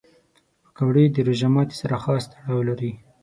پکورې د روژه ماتي سره خاص تړاو لري